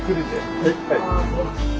はい。